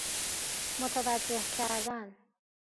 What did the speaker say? متوجه کردن